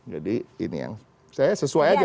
jadi ini yang saya sesuai saja